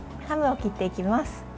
ハムを切っていきます。